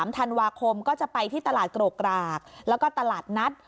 ๓ธันวาคมก็จะไปที่ตลาดโกรกกรากแล้วก็ตลาดนัด